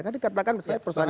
kan dikatakan persoalannya